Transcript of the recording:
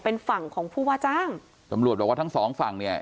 เป็นฝั่งของผู้ว่าจ้างตำรวจบอกว่าทั้งสองฝั่งเนี่ย